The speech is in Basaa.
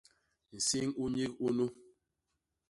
Nsiñ u nyik unu!